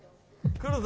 来るぞ。